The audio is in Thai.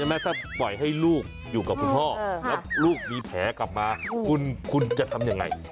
ถ้าปล่อยให้ลูกอยู่กับคุณพ่อแล้วลูกมีแผลกลับมาคุณจะทำยังไง